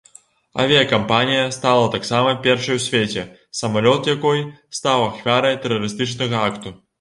Авіякампанія стала таксама першай у свеце, самалёт якой стаў ахвярай тэрарыстычнага акту.